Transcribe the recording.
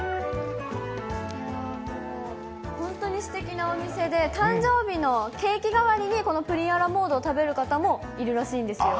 本当にすてきなお店で、誕生日のケーキ代わりに、このプリンアラモードを食べる方もいるらしいんですよ。